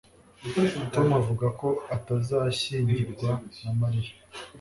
Tom avuga ko atazashyingirwa na Mariya